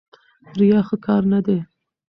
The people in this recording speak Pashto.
ریا ښه کار نه دی.